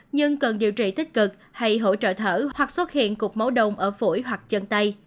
nhưng cần điều trị tích cực hay hỗ trợ thở hoặc xuất hiện cục máu đông ở phổi hoặc chân tay